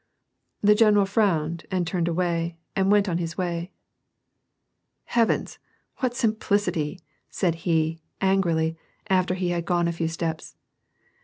148 tlV*^ ^yi> PEACE, The general frowned, and horned away, — and went on his way. '^ Heavens, what simplicity !"* said he, angrily, after he had gone a few steps.